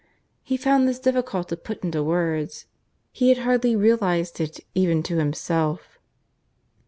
He found this difficult to put into words; he had hardly realized it even to himself.